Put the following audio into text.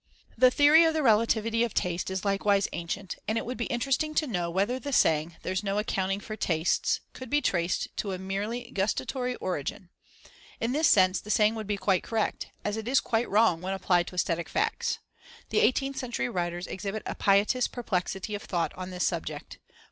The theory of the relativity of taste is likewise ancient, and it would be interesting to know whether the saying "there's no accounting for tastes" could be traced to a merely gustatory origin. In this sense, the saying would be quite correct, as it is quite wrong when applied to aesthetic facts. The eighteenth century writers exhibit a piteous perplexity of thought on this subject.